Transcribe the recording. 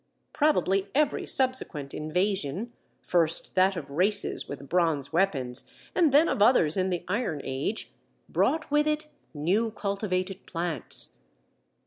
Probably every subsequent invasion, first that of races with bronze weapons, and then of others in the Iron Age, brought with it new cultivated plants.